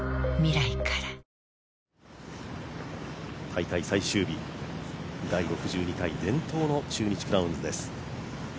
大会最終日、第６２回伝統の中日クラウンズです。